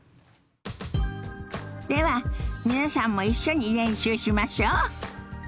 では皆さんも一緒に練習しましょ。